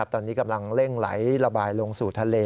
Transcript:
ตอนนี้กำลังเร่งไหลระบายลงสู่ทะเล